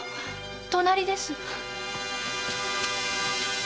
隣です。